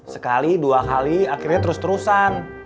sekali dua kali akhirnya terus terusan